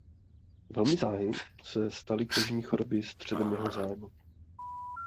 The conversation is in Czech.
Velmi záhy se staly kožní choroby středem jeho zájmu.